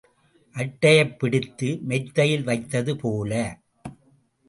அட்டையைப் பிடித்து மெத்தையில் வைத்தது போல.